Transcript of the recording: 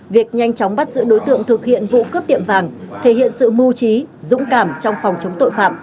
việc nhanh chóng bắt giữ đối tượng thực hiện vụ cướp tiệm vàng thể hiện sự mưu trí dũng cảm trong phòng chống tội phạm